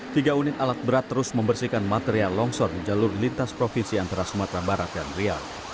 tiga unit alat berat terus membersihkan material longsor di jalur lintas provinsi antara sumatera barat dan riau